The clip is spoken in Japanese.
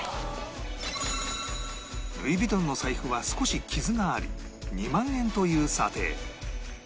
ルイ・ヴィトンの財布は少し傷があり２万円という査定